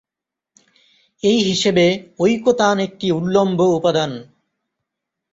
এই হিসেবে ঐকতান একটি উল্লম্ব উপাদান।